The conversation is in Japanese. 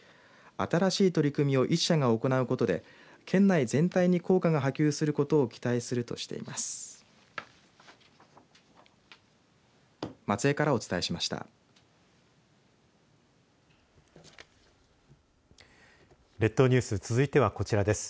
新しい取り組みを１社が行うことで県内全体に効果が波及することを期待するとしています。